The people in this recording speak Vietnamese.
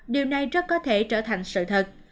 điều này rất có thể trở thành sự thật